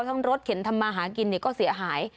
ทั้งรถเขียนทำมาหากินเนี่ยก็เสียหาย